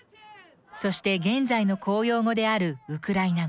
そして現在の公用語であるウクライナ語。